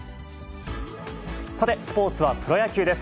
さて、スポーツはプロ野球です。